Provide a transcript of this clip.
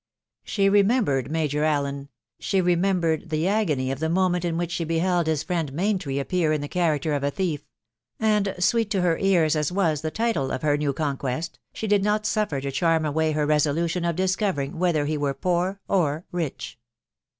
She remembered Major Alia .... she remembered the agony of the moment in which at beheld his friend Maintry appear in the character of a thief; and sweet to her ears as was the title of her new. conquest, ttt did not suffer it to charm away her resolution of discovCBBj whether he were poor or rich.